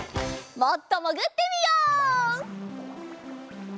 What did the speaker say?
もっともぐってみよう！